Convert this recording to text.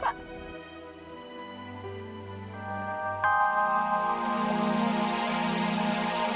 kesayangan si rengga